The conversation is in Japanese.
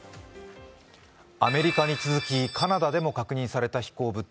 アメリカに続きカナダでも確認された飛行物体。